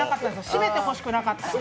締めてほしくなかった。